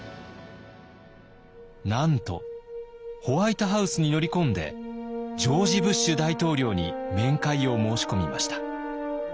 なんとホワイトハウスに乗り込んでジョージ・ブッシュ大統領に面会を申し込みました。